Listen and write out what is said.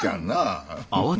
なあ？